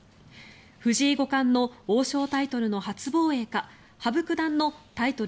藤井五冠の王将タイトルの初防衛か羽生九段のタイトル